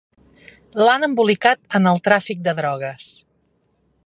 L'han embolicat en el tràfic de drogues.